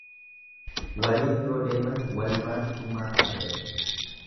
Waliin yoo deeman walumaan furmaata argatu.